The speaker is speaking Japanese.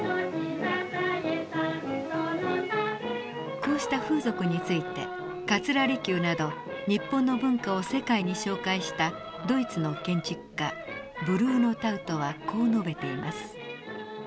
こうした風俗について桂離宮など日本の文化を世界に紹介したドイツの建築家ブルーノ・タウトはこう述べています。